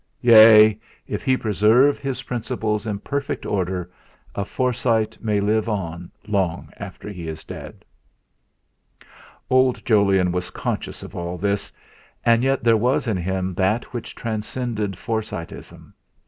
yea! If he preserve his principles in perfect order, a Forsyte may live on long after he is dead. Old Jolyon was conscious of all this, and yet there was in him that which transcended Forsyteism.